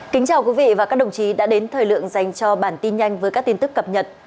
kính chào quý vị và các đồng chí đã đến thời lượng dành cho bản tin nhanh với các tin tức cập nhật